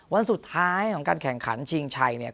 วันสุดท้ายของการแข่งขันชิงชัยเนี่ย